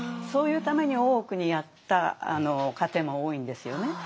そういうために大奥にやった家庭も多いんですよね。